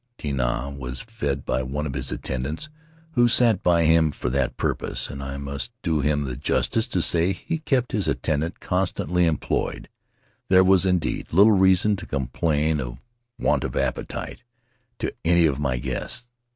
"Tinah was fed by one of his attendants, who sat by him for that purpose ... and I must do him the justice to say he kept his attendant constantly em ployed : there was, indeed, little reason to complain of want of appetite in any of my guests.